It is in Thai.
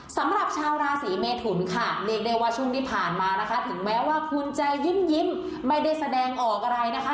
สำหรับชาวราศีเมทุนค่ะเรียกได้ว่าช่วงที่ผ่านมานะคะถึงแม้ว่าคุณจะยิ้มไม่ได้แสดงออกอะไรนะคะ